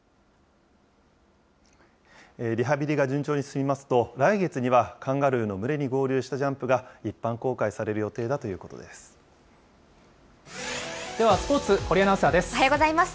リハビリが順調に進みますと、来月にはカンガルーの群れに合流したジャンプが一般公開される予ではスポーツ、堀アナウンサおはようございます。